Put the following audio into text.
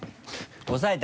おさえた？